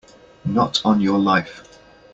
Not on your life!